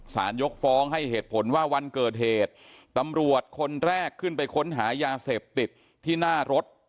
ยกฟ้องให้เหตุผลว่าวันเกิดเหตุตำรวจคนแรกขึ้นไปค้นหายาเสพติดที่หน้ารถ